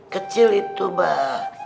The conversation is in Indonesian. kecil itu bang